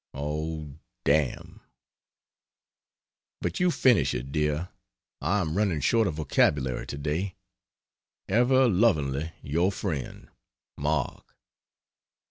Oh, dam But you finish it, dear, I am running short of vocabulary today. Ever lovingly your friend, MARK.